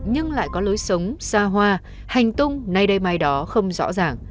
nhưng lại có lối sống xa hoa hành tung nay đây mai đó không rõ ràng